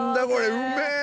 これ！